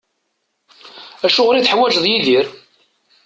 Acuɣer i teḥwaǧeḍ Yidir?